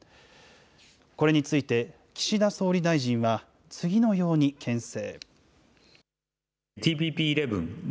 これについて、岸田総理大臣は次のようにけん制。